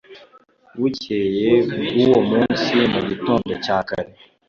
bukeye bw'uwo munsi mu gitondo cya kare